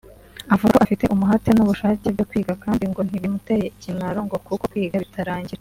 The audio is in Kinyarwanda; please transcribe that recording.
Avuga ko afite umuhate n’ubushake byo kwiga kandi ngo nti bimuteye ikimwaro ngo kuko kwiga bitarangira